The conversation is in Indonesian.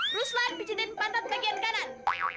ruslan pijetin pantat bagian kanan